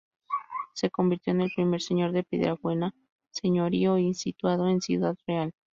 Se convirtió en el primer señor de Piedrabuena, señorío situado en Ciudad Real.